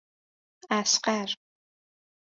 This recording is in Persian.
اصغر